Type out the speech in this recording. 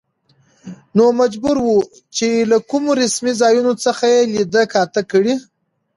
نو مجبور و، چې له کومو رسمي ځايونو څخه يې ليده کاته کړي.